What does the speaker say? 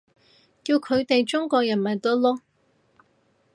叫佢哋中國人咪得囉